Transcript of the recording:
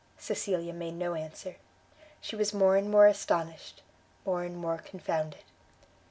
Cecilia made no answer; she was more and more astonished, more and more confounded.